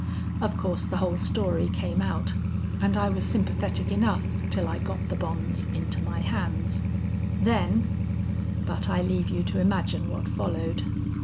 Of course the whole story came out, and I was sympathetic enough till I got the bonds into my hands, then But I leave you to imagine what followed.